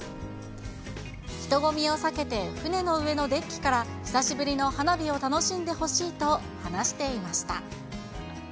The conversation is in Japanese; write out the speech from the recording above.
人混みを避けて船の上のデッキから久しぶりの花火を楽しんでほしいと話していました。